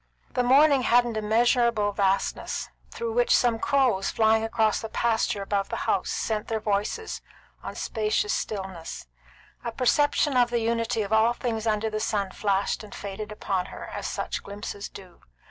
The morning had an immeasurable vastness, through which some crows flying across the pasture above the house sent their voices on the spacious stillness. A perception of the unity of all things under the sun flashed and faded upon her, as such glimpses do.